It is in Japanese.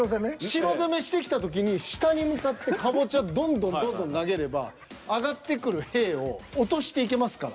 城攻めしてきた時に下に向かってカボチャどんどんどんどん投げれば上がってくる兵を落としていけますから。